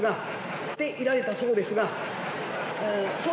言っていられたそうですが。